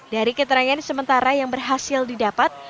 dari keterangan sementara yang berhasil didapat